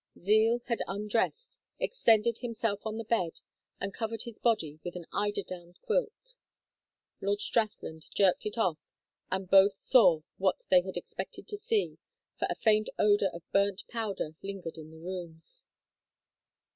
Zeal had undressed, extended himself on the bed, and covered his body with an eider down quilt. Lord Strathland jerked it off, and both saw what they had expected to see, for a faint odor of burnt powder lingered in the rooms.